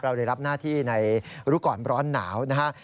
เราได้รับหน้าที่ในรุกรรมร้อนหนาวนะฮะ